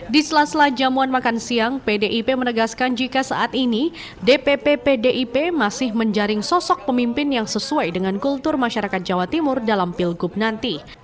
di sela sela jamuan makan siang pdip menegaskan jika saat ini dpp pdip masih menjaring sosok pemimpin yang sesuai dengan kultur masyarakat jawa timur dalam pilgub nanti